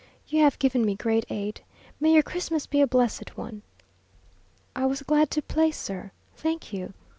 You have given me great aid. May your Christmas be a blessed one." "I was glad to play, sir. Thank you!"